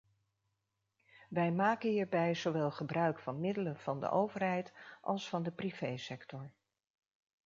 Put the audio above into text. Wij maken hierbij zowel gebruik van middelen van de overheid als van de privé-sector.